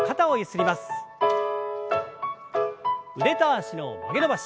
腕と脚の曲げ伸ばし。